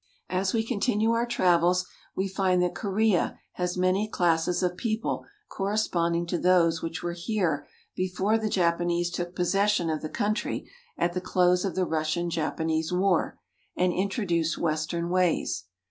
As we continue our travels we find that Korea has many classes of people corresponding to those which were here before the Japanese took possession of the country at the close of the Russian Japanese war and introduced western ways.